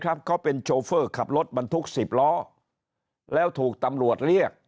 เขาเป็นโชเฟอร์ขับรถบรรทุกสิบล้อแล้วถูกตำรวจเรียก